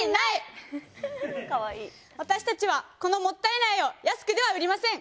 私たちはこのもったい苗を安くでは売りません。